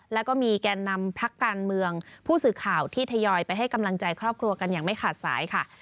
แล้วก็มีแก่นำพักการเมืองผู้สื่อข่าวที่ทยอยไปให้กำลังใจครอบครัวกันอย่างไม่ขาดสายค่ะ